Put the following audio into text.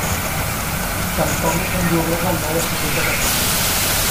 Tampoc no se'n diu res al nou Estatut de Catalunya.